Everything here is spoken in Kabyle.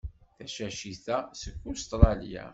Tacacit-a seg Ustṛalya.